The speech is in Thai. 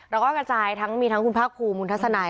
เราก็กระจายทั้งคุณพ่าครูมุญทัศนาย